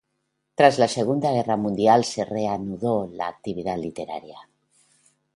Tras la Segunda Guerra Mundial se reanudó la actividad literaria.